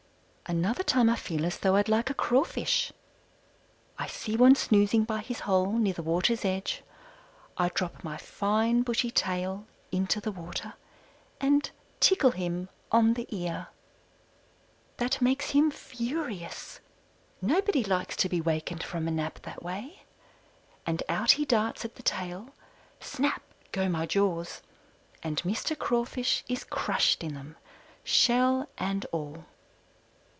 Another time I feel as though I'd like a crawfish. I see one snoozing by his hole near the water's edge. I drop my fine, bushy tail into the water and tickle him on the ear. That makes him furious nobody likes to be wakened from a nap that way and out he darts at the tail; snap go my jaws, and Mr. Crawfish is crushed in them, shell and all.